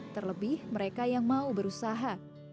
terlebih mereka yang mau berusaha